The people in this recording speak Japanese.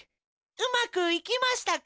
うまくいきましたか？